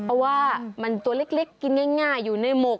เพราะว่ามันตัวเล็กกินง่ายอยู่ในหมก